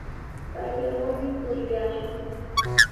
Payllawanmi purillashun.